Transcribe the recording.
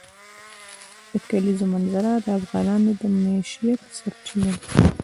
د کلیزو منظره د افغانانو د معیشت سرچینه ده.